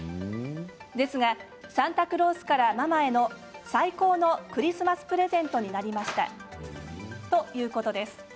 ですが、サンタクロースからママへの最高のクリスマスプレゼントになりましたということです。